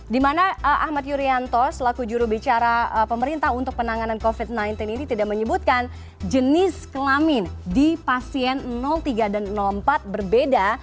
dimana ahmad yuryanto selaku jurubicara pemerintah untuk penanganan covid sembilan belas ini tidak menyebutkan jenis kelamin di pasien tiga dan empat berbeda